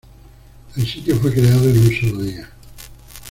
El sitio fue creado en un solo día.